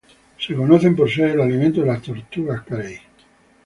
Se conocen por ser el alimento de las tortugas carey.